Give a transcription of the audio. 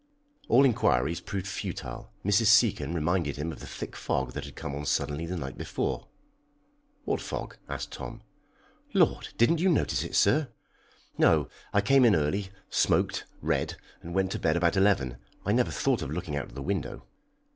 All enquiries proved futile. Mrs. Seacon reminded him of the thick fog that had come on suddenly the night before. "What fog?" asked Tom. "Lord! didn't you notice it, sir?" "No, I came in early, smoked, read, and went to bed about eleven. I never thought of looking out of the window."